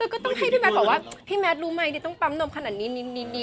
ก็ต้องให้พี่แมทบอกว่าพี่แมทรู้ไหมดิต้องปั๊มนมขนาดนี้นิด